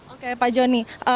oke pak joni